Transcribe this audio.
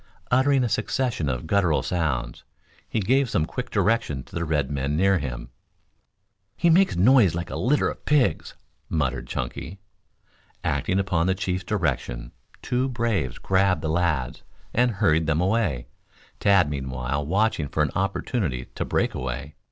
Uttering a succession of gutteral sounds, he gave some quick directions to the red men near him. "He makes a noise like a litter of pigs," muttered Chunky. Acting upon the chief's direction two braves grabbed the lads, and hurried them away, Tad meanwhile watching for an opportunity to break away.